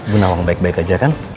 bu nawang baik baik aja kan